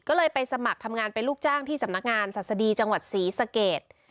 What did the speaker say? ก็เลยไปสมัครทำงานเป็นลูกจ้างที่สำนักงานศัษฎีจังหวัดศรีสเกต